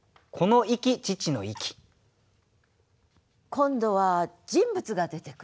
今度は人物が出てくる。